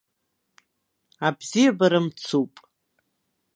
Абзиабара мцуп!